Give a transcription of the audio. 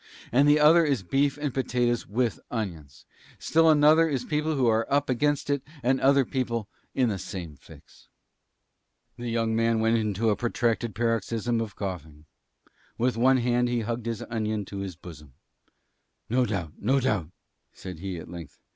And the other one is beef and potatoes with onions. And still another one is people who are up against it and other people in the same fix." The young man went into a protracted paroxysm of coughing. With one hand he hugged his onion to his bosom. "No doubt; no doubt," said he, at length.